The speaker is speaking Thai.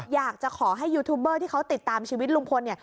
อยากจะขอให้ยูทูบเบอร์ที่เขาติดตามชีวิตลุงพลเนี่ย